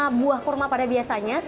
karena buah kurma pada biasanya